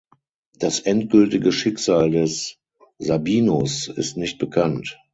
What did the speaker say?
Das endgültige Schicksal des Sabinus ist nicht bekannt.